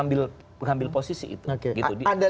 erik harus mengambil posisi